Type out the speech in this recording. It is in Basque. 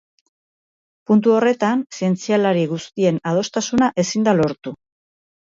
Puntu horretan zientzialari guztien adostasuna ezin da lortu.